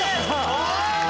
・おい！